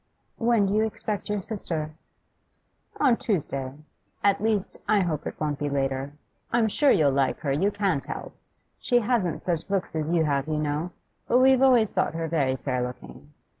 'When do you expect your sister?' 'On Tuesday; at least, I hope it won't be later. I'm sure you'll like her, you can't help. She hasn't such looks as you have, you know, but we've always thought her very fair looking.